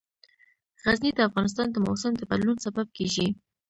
غزني د افغانستان د موسم د بدلون سبب کېږي.